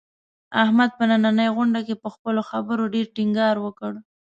احمد په نننۍ غونډه کې، په خپلو خبرو ډېر ټینګار وکړ.